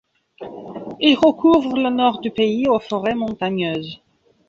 Il recouvre le nord du pays aux forêts montagneuses.